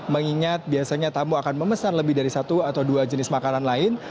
mengingat biasanya tamu akan memesan lebih dari satu atau dua jenis makanan lain